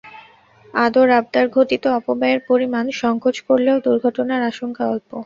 আদর-আবদার-ঘটিত অপব্যয়ের পরিমাণ সংকোচ করলেও দুর্ঘটনার আশঙ্কা অল্প।